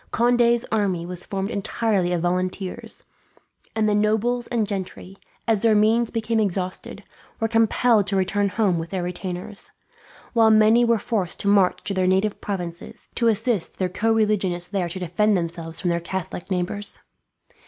Conde's army was formed entirely of volunteers, and the nobles and gentry, as their means became exhausted, were compelled to return home with their retainers; while many were forced to march to their native provinces, to assist their co religionists there to defend themselves from their Catholic neighbours.